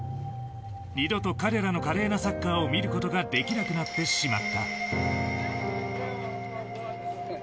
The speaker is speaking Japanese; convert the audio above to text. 二度と彼らの華麗なサッカーを見ることができなくなってしまった。